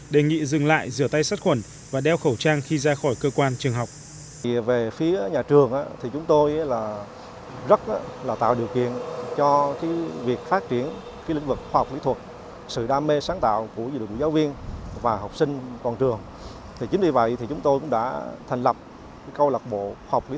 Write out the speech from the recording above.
đề nghị dừng lại và rửa tay sát khuẩn trước khi vào trường học